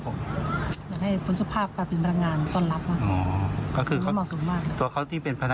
ใช่ครับเพราะตัวเขา